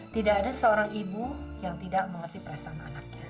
tidak ada seorang ibu yang tidak mengerti perasaan anaknya